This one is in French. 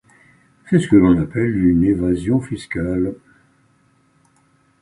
C'est ce que l'on appelle une évasion fiscale.